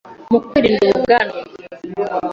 mu kwirinda ubu bwandu